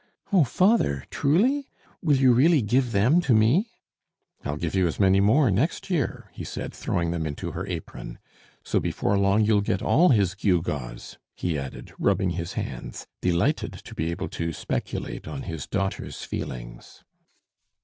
"Oh! father, truly? will you really give them to me?" "I'll give you as many more next year," he said, throwing them into her apron. "So before long you'll get all his gewgaws," he added, rubbing his hands, delighted to be able to speculate on his daughter's feelings.